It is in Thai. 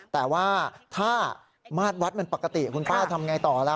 แต่ว่าถ้ามาดวัดมันปกติคุณป้าทำไงต่อล่ะ